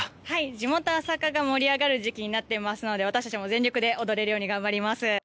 地元朝霞が盛り上がる時期になっていますので私たちも全力で踊れるように頑張ります。